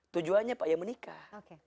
tujuannya pak ya menikah